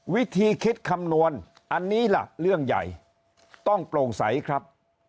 วิธีคิดคำนวณอันนี้ล่ะเรื่องใหญ่ต้องโปร่งใสครับ